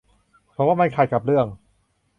ผมว่ามันขัดกับเรื่อง